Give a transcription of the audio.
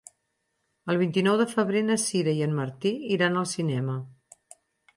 El vint-i-nou de febrer na Sira i en Martí iran al cinema.